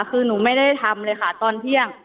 คือหนูไม่ได้ทำเลยค่ะตอนเที่ยง